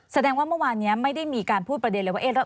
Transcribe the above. แสดงว่าเมื่อวานนี้ไม่ได้มีการพูดประเด็นเลยว่า